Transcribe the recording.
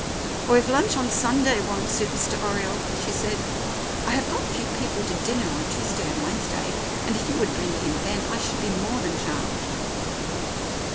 "Or if lunch on Sunday won't suit Mr. Oriole," IOI The Oriolists she said, "I have got a few people to dinner on Tuesday and Wednesday, and if you would bring him then I should be more than charmed."